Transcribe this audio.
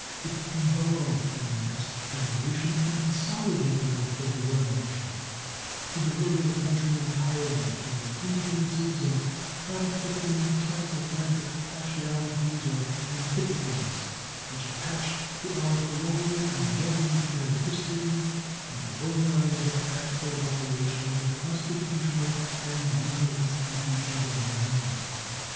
It devolved on the next generation to consolidate the work of the Revolution, to deliver the country entirely from the influences of conflicting transatlantic partialities or antipathies which attached to our colonial and Revolutionary history, and to organize the practical operation of the constitutional and legal institutions of the Union.